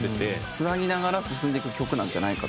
つなぎながら進んでいく曲なんじゃないかって。